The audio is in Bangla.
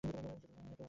কেউ আছে এখানে?